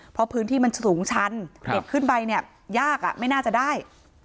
เพราะพื้นที่มันจะสูงชันเด็กขึ้นไปเนี่ยยากไม่น่าจะได้